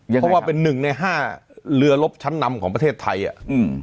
เพราะว่าเป็นหนึ่งในห้าเรือลบชั้นนำของประเทศไทยอ่ะอืม